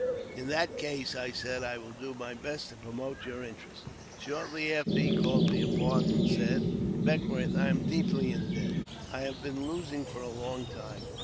" In that case," I said, *' I will do my best to promote your interest." Shortly aftev, he called me apart, and said, *' Beckwourth, I am deeply in debt. I have been losing for a long time.